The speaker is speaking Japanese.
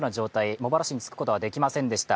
茂原市につくことができませんでした